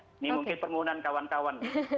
ini mungkin permohonan kawan kawan